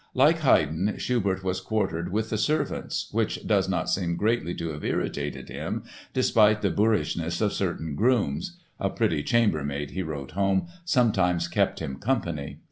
Like Haydn, Schubert was quartered with the servants, which does not seem greatly to have irritated him, despite the boorishness of certain grooms (a pretty chambermaid, he wrote home, "sometimes kept him company").